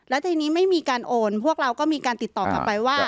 แล้วทีนี้ไม่มีการโอนพวกเราก็มีการติดต่อกลับไปว่า